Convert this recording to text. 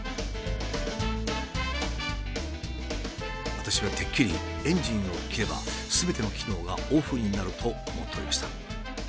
私はてっきりエンジンを切ればすべての機能がオフになると思っておりました。